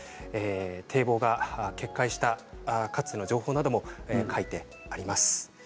堤防が決壊したかつての情報なども書いてあります。